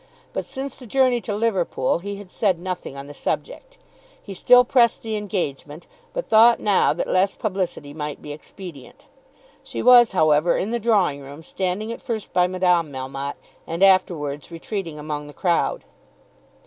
But since the journey to Liverpool he had said nothing on the subject. He still pressed the engagement, but thought now that less publicity might be expedient. She was, however, in the drawing room standing at first by Madame Melmotte, and afterwards retreating among the crowd.